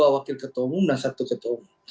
dua wakil ketua umum dan satu ketua umum